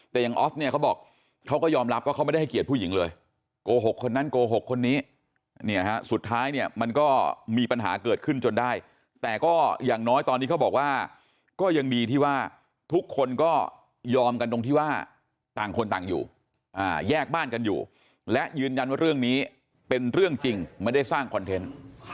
แต่ยังออฟเนี่ยเขาบอกเขาก็ยอมรับว่าเขาไม่ได้ให้เกียรติผู้หญิงเลยโกหกคนนั้นโกหกคนนี้เนี่ยฮะสุดท้ายเนี่ยมันก็มีปัญหาเกิดขึ้นจนได้แต่ก็อย่างน้อยตอนนี้เขาบอกว่าก็ยังดีที่ว่าทุกคนก็ยอมกันตรงที่ว่าต่างคนต่างอยู่แยกบ้านกันอยู่และยืนยันว่าเรื่องนี้เป็นเรื่องจริงไม่ได้สร้างคอนเทนต์